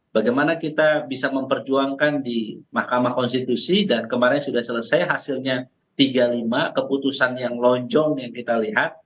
bagaimana kita bisa memperjuangkan di mahkamah konstitusi dan kemarin sudah selesai hasilnya tiga puluh lima keputusan yang lonjong yang kita lihat